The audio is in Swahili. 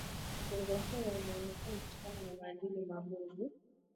ugonjwa huo unaenea kutokana na maadili mabovu